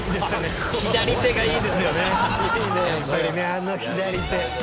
あの左手。